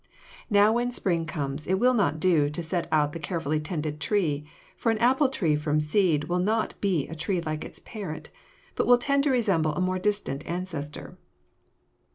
Now when spring comes it will not do to set out the carefully tended tree, for an apple tree from seed will not be a tree like its parent, but will tend to resemble a more distant ancestor.